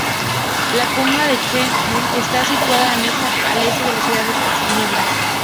La comuna de Chêne-Bougeries está situada anexa al este de la ciudad de Ginebra.